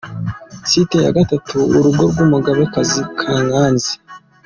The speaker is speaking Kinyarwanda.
Site ya gatatu: Urugo rw’umugabekazi Kankazi.